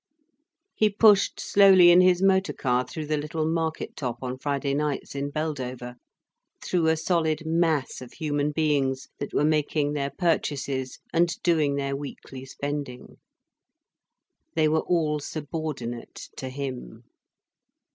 He pushed slowly in his motor car through the little market top on Friday nights in Beldover, through a solid mass of human beings that were making their purchases and doing their weekly spending. They were all subordinate to him.